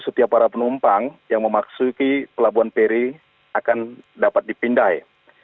setiap para penumpang yang memaksuki pelabuhan peri akan dapat dipindai